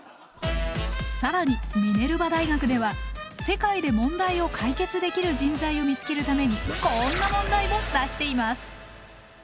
更にミネルバ大学では世界で問題を解決できる人材を見つけるためにこんな問題も出しています！